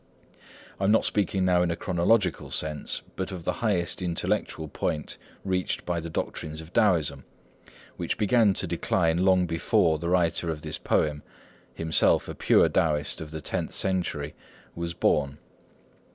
I am not speaking now in a chronological sense, but of the highest intellectual point reached by the doctrines of Taoism, which began to decline long before the writer of this poem, himself a pure Taoist of the tenth century, was born.